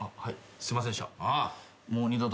すいませんでした。